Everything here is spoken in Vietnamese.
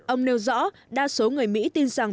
ông nêu rõ đa số người mỹ tin rằng